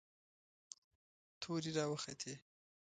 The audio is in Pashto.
تورې را وختې.